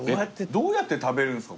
どうやって食べるんですか。